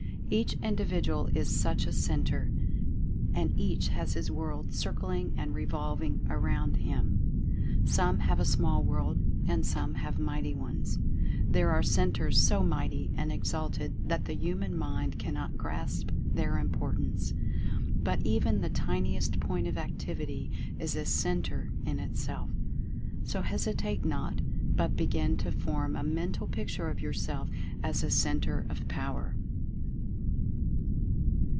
Each Individual is such a Centre, and each has his world circling and revolving around him. Some have a small world, and some have mighty ones. There are Centres so mighty and exalted that the human mind cannot grasp their importance. But even the tiniest . Point of Activity is a Centre in Itself. So hesitate not, but begin to form a Mental Picture of yourself as a CEN TRE OF POWER.